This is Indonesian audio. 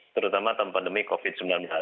terutama tahun pandemi covid sembilan belas